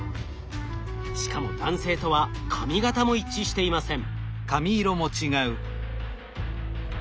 しかも男性とは髪形も一致していません。